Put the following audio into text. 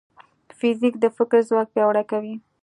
فزیک د فکر ځواک پیاوړی کوي.